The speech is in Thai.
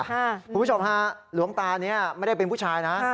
คุณผู้ชมฮะหลวงตานี้ไม่ได้เป็นผู้ชายนะ